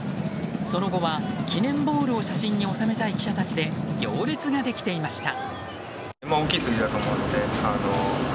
その後は記念ボールを写真に収めたい記者たちで行列ができていました。